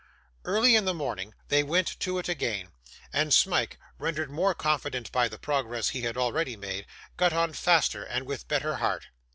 Early in the morning they went to it again, and Smike, rendered more confident by the progress he had already made, got on faster and with better heart.